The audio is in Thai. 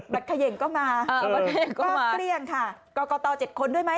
บัดเครียงก็มาเกลียงค่ะก็ก่อก่อเตา๗คนด้วยมั้ย